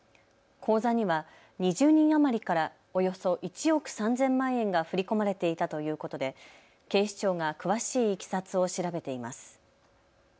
口座には２０人余りからおよそ１億３０００万円が振り込まれていたということで警視庁が詳しいいきさつを調べています。